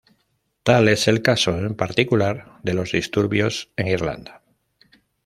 Tal es el caso, en particular, de los disturbios en Irlanda.